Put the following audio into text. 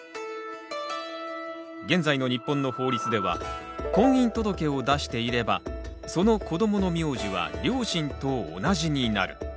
現在の日本の法律では婚姻届を出していればその子どもの名字は両親と同じになる。